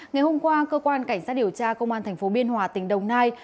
ngày hôm qua cơ quan cảnh sát điều tra công an tp biên hòa tỉnh đồng nai